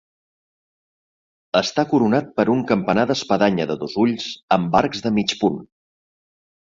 Està coronat per un campanar d'espadanya de dos ulls amb arcs de mig punt.